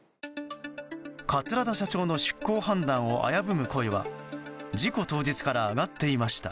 桂田社長の出航判断を危ぶむ声は事故当日から上がっていました。